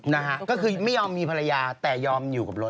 นะฮะก็คือไม่ยอมมีภรรยาแต่ยอมอยู่กับรถ